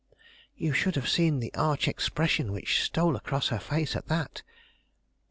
You should have seen the arch expression which stole across her face at that.